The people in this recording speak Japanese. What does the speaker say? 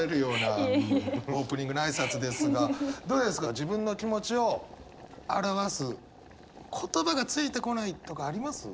自分の気持ちを表す言葉がついてこないとかあります？